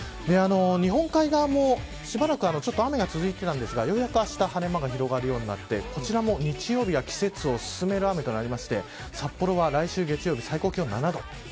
日本海側も、しばらくちょっと雨が続いてたんですがようやく、あした晴れ間が広がるようになってこちらも日曜日が季節を進める雨となって札幌は来週月曜日最高気温７度。